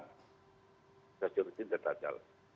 imunisasi rutin tetap jalan